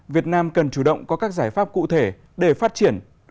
việt nam cần chủ động có các giải pháp cụ thể để phát triển